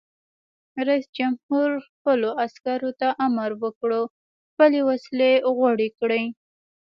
رئیس جمهور خپلو عسکرو ته امر وکړ؛ خپلې وسلې غوړې کړئ!